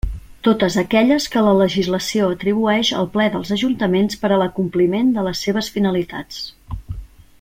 Totes aquelles que la legislació atribueix al Ple dels ajuntaments per a l'acompliment de les seves finalitats.